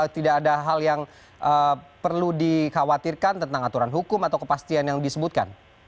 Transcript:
tidak ada hal yang perlu dikhawatirkan tentang aturan hukum atau kepastian yang disebutkan